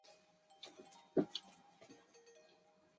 中国江苏江阴人。